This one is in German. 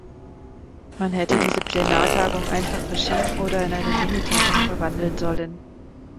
Man hätte diese Plenartagung einfach verschieben oder in eine Minitagung verwandeln sollen.